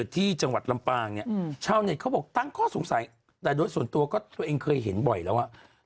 ที่จังหวัดลำปางเนี่ยตั้งเค้าป่าวว่าสงสัยแต่โดยส่วนตัวก็ตัวเองเคยเห็นบ่อยแล้ว